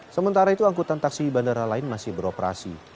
sementara itu angkutan taksi bandara lain masih beroperasi